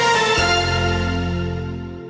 โปรดติดตามตอนต่อไป